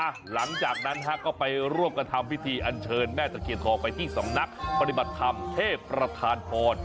หลังจากนั้นฮะก็ไปร่วมกันทำพิธีอันเชิญแม่ตะเคียนทองไปที่สำนักปฏิบัติธรรมเทพประธานพร